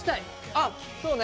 あっそうね。